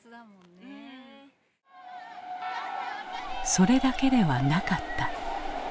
それだけではなかった。